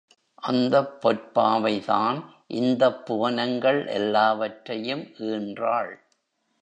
அந்தப் பொற்பாவைதான் இந்தப் புவனங்கள் எல்லாவற்றையும் ஈன்றாள்.